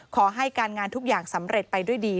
ขอให้การงานทุกอย่างสำเร็จไปด้วยดี